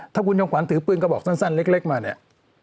ถ้าคุณจำขวัญถือปืนกระบอกสั้นเล็กมาเนี่ย